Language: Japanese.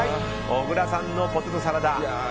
小倉さんのポテトサラダ。